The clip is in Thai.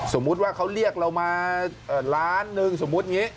สมมุติว่าเขาเรียกเรามาล้านหนึ่งสมมุติอย่างนี้